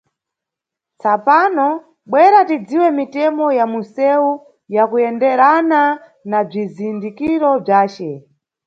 Tsapano bwera tidziwe mitemo ya munʼsewu ya kuyenderana na bzizindikiro bzace.